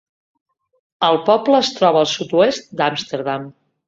El poble es troba al sud-oest d'Amsterdam.